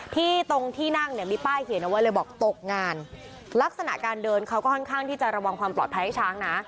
ตรงที่นั่งเนี่ยมีป้ายเขียนเอาไว้เลยบอกตกงานลักษณะการเดินเขาก็ค่อนข้างที่จะระวังความปลอดภัยให้ช้างนะ